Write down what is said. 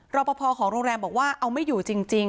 รอปภของโรงแรมบอกว่าเอาไม่อยู่จริง